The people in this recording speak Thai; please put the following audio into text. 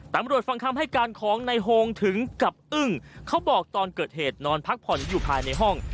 ฟังคำให้การของในโฮงถึงกับอึ้งเขาบอกตอนเกิดเหตุนอนพักผ่อนอยู่ภายในห้อง